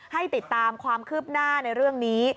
ให้ติดตามความคืบหน้าในเรื่องนี้